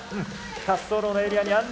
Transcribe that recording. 滑走路のエリアには乗るか？